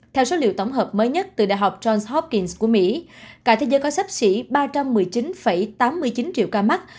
theo số liệu tổng hợp mới nhất từ đại học johns hopkings của mỹ cả thế giới có sắp xỉ ba trăm một mươi chín tám mươi chín triệu ca mắc